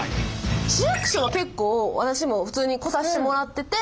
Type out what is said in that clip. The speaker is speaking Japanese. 市役所は結構私も普通に来させてもらってて。